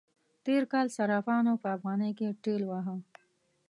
تېر کال صرافانو په افغانی کې ټېل واهه.